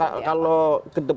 ya kalau ke depan ada sistem